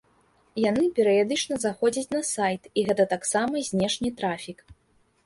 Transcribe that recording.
Яны перыядычна заходзяць на сайт і гэта таксама знешні трафік.